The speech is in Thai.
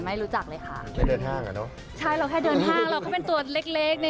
มีเฉียดมั้ยคะใกล้สิทธิ์กับครอบครัวนั้น